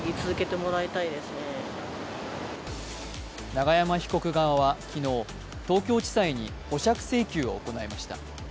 永山被告側は昨日、東京地裁に保釈請求を行いました。